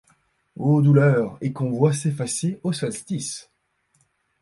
O douleur ! et qu'on voit s'effacer au solstice